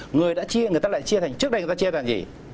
người ta lại chia thành trước đây người ta chia thành gì